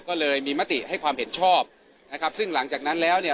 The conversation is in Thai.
ก็เลยมีมติให้ความเห็นชอบนะครับซึ่งหลังจากนั้นแล้วเนี่ย